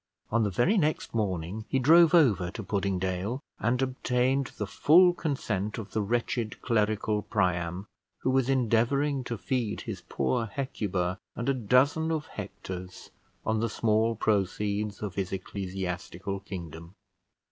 On the very next morning he drove over to Puddingdale, and obtained the full consent of the wretched clerical Priam, who was endeavouring to feed his poor Hecuba and a dozen of Hectors on the small proceeds of his ecclesiastical kingdom.